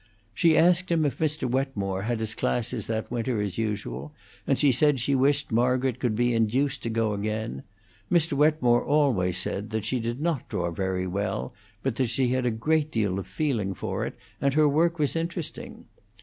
She asked him if Mr. Wetmore had his classes that winter as usual; and she said she wished Margaret could be induced to go again: Mr. Wetmore always said that she did not draw very well, but that she had a great deal of feeling for it, and her work was interesting.